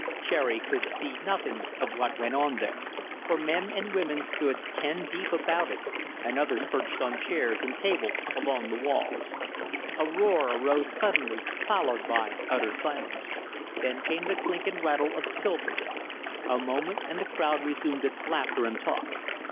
Cherry could see nothing of what went on there, for men and women stood ten deep about it and others perched on chairs and tables along the walls. A roar arose suddenly, followed by utter silence; then came the clink and rattle of silver. A moment, and the crowd resumed its laughter and talk.